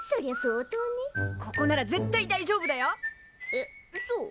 えっそう？